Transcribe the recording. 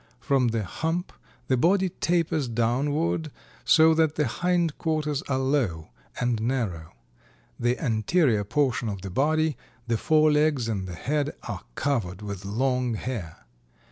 From the hump the body tapers downward so that the hind quarters are low and narrow. The anterior portion of the body, the forelegs and the head are covered with long hair.